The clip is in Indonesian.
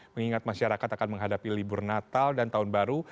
mengingat masyarakat akan menghadapi libur natal dan tahun baru